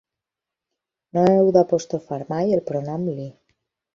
No heu d'apostrofar mai el pronom li.